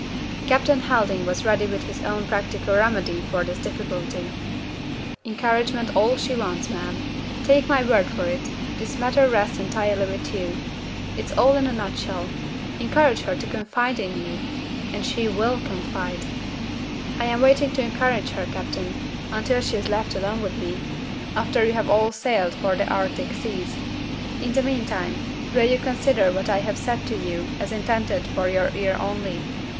Captain Helding was ready with his own practical remedy for this difficulty. "Encouragement is all she wants, ma'am. Take my word for it, this matter rests entirely with you. It's all in a nutshell. Encourage her to confide in you and she will confide." "I am waiting to encourage her, captain, until she is left alone with me after you have all sailed for the Arctic seas. In the meantime, will you consider what I have said to you as intended for your ear only?